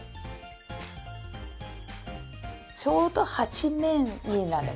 ちょうど８面になります。